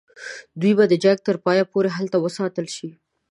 دوی به د جنګ تر پایه پوري هلته وساتل شي.